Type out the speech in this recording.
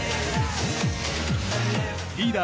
リーダー